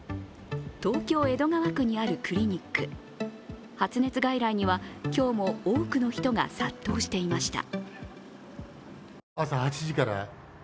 東京・江戸川区にあるクリニック発熱外来には今日も多くの人が殺到していました。